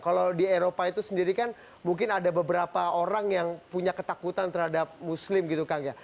kalau di eropa itu sendiri kan mungkin ada beberapa orang yang punya ketakutan terhadap muslim gitu kang ya